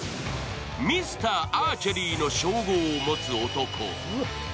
ミスターアーチェリーの称号を持つ男。